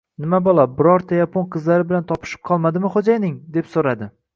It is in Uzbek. — Nima balo, birorta yapon qizlari bilan topishib qolmadimi xo‘jayinning? – deb so‘radi.